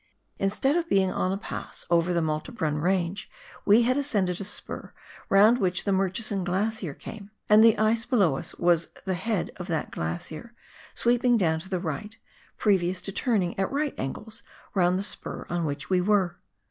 Instead of being on a pass over the Malte Brun Range, we had ascended a spur round which the Murchison Glacier came. And the ice below us was the head of that glacier, sweeping down to the right, previous to turning at right angles round the spur on which we were.